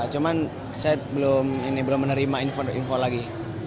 cuman saya belum menerima info lagi